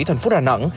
thành phố đà nẵng